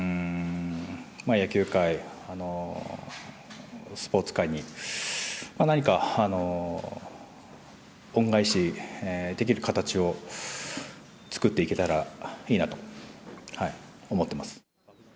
野球界、スポーツ界に、何か恩返しできる形を作っていけたらいいなと思ってます。